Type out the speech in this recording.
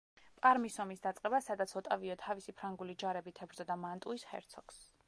პარმის ომის დაწყება, სადაც ოტავიო თავისი ფრანგული ჯარებით ებრძოდა მანტუის ჰერცოგს.